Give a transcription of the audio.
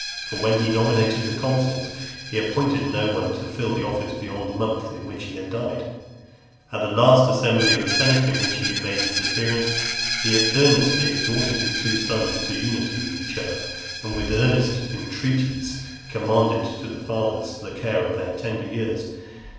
For when he nominated the consuls, he appointed no one to fill the office beyond the month in which he died. At the last assembly of the senate in which he made his appearance, he earnestly exhorted his two sons to unity with each other, and with earnest entreaties commended to the fathers the care of their tender years.